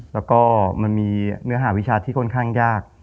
แล้วก็มันมีเนื้อหาวิชาที่ค่อนข้างยาก